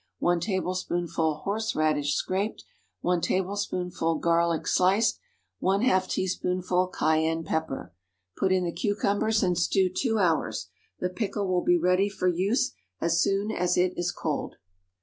1 tablespoonful horseradish, scraped. 1 tablespoonful garlic, sliced. ½ teaspoonful cayenne pepper. Put in the cucumbers and stew two hours. The pickle will be ready for use so soon as it is cold.